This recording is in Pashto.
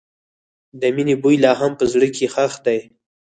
د مینې بوی لا هم په زړګي کې ښخ دی.